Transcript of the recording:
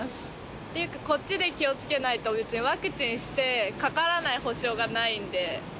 っていうか、こっちで気をつけないと、別にワクチンして、かからない保証がないんで。